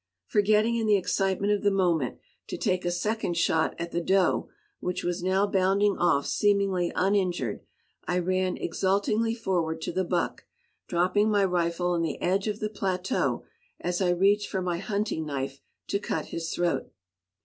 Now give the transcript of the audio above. Forgetting in the excitement of the moment to take a second shot at the doe, which was now bounding off seemingly uninjured, I ran exultingly forward to the buck, dropping my rifle on the edge of the plateau as I reached for my hunting knife to cut his throat.